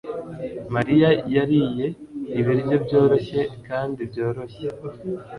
mariya yariye ibiryo byoroshye kandi byoroshye